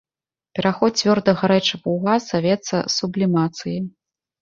Пераход цвёрдага рэчыва ў газ завецца сублімацыяй.